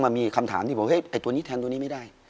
มามีคำถามที่ตัวนี้แทนตัวนี้ไม่ได้